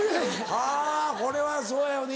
はぁこれはそうやよね